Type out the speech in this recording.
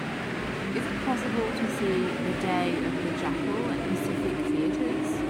Is it possible to see The Day of the Jackal at Pacific Theatres